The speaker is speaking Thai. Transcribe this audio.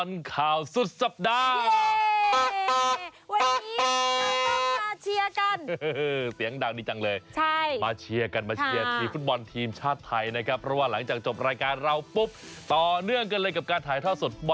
ร่วมเป็นใจเดียวกันวีดโบ้งโบ้งโบ้งเรามาโบ้งโบ้งโบ้งให้มันโตโตโต